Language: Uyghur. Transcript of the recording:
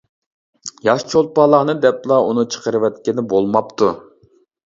ياش چولپانلارنى دەپلا ئۇنى چىقىرىۋەتكىنى بولماپتۇ.